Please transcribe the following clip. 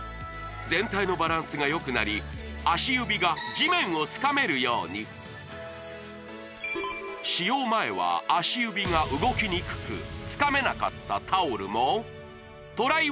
全体のバランスがよくなり足指が地面をつかめるように使用前は足指が動きにくくつかめなかったタオルもトライ